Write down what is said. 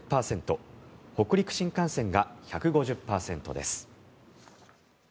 北陸新幹線が１５０％です。